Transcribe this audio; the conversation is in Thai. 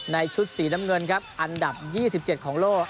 ชุดสีน้ำเงินครับอันดับ๒๗ของโลก